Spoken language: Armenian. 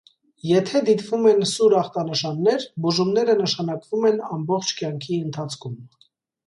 Եթե դիտվում են սուր ախտանշաններ, բուժումները նշանակվում են ամբողջ կյանքի ընթացքում։